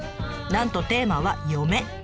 なんとテーマは「嫁」。